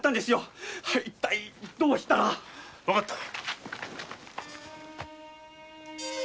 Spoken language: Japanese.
わかった。